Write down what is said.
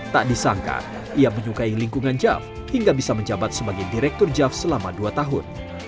tak disangka ia menyukai lingkungan jav hingga bisa menjabat sebagai direktur jav selama dua tahun